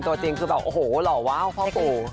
ตัวจริงคือแบบโอ้โหหล่อว้าวพ่อปู่